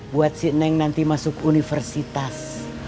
buat si neng nanti masuk universitas